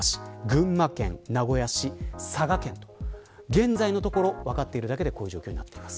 現在のところ、分かってるだけでこういう状況です。